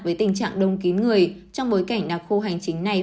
với tình trạng đông kín người trong bối cảnh đặc khu hành chính này